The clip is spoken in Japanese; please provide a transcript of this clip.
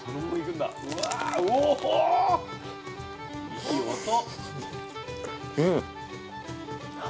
いい音。